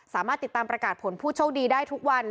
สามารถติดตามประกาศผลผู้โชคดีได้ทุกวัน